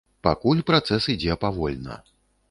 Пакуль працэс ідзе павольна.